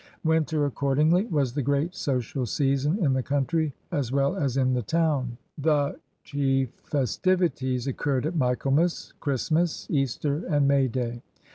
Winter, accordingly, was the great social season in the country as well as in the town. The chief festivities occurred at Michaelmas, Christmas, Easter, and May Day.